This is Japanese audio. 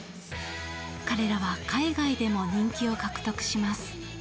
彼らは海外でも人気を獲得します。